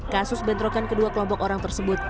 kasus bentrokan kedua kelompok orang tersebut